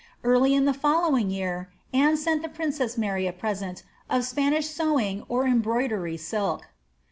Early in the following year Anne sent the princess Maij a present of Spanish sewing or embroidery silk.'